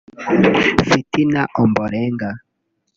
Fitina Obalenga